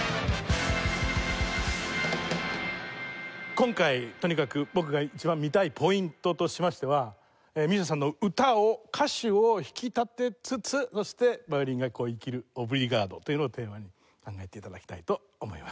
今回とにかく僕が一番見たいポイントとしましては美依紗さんの歌を歌詞を引き立てつつそしてヴァイオリンが生きるオブリガートというのをテーマに考えて頂きたいと思います。